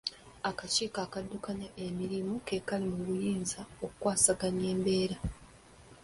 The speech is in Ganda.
Akakiiko akaddukanya emirimu ke kaali mu buyinza okwasaganya embeera